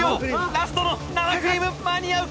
ラストの生クリーム間に合うか？